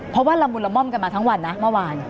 เพราะว่าละมุนละม่อมกันมาทั้งวันนะเมื่อวาน